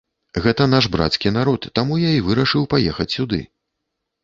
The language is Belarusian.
Гэта наш брацкі народ, таму я і вырашыў паехаць сюды.